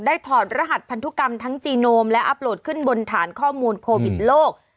ถอดรหัสพันธุกรรมทั้งจีโนมและอัพโหลดขึ้นบนฐานข้อมูลโควิดโลก